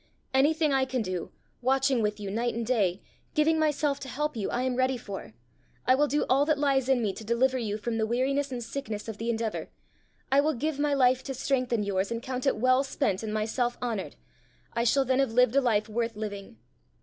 Anything I can do, watching with you night and day, giving myself to help you, I am ready for. I will do all that lies in me to deliver you from the weariness and sickness of the endeavour. I will give my life to strengthen yours, and count it well spent and myself honoured: I shall then have lived a life worth living!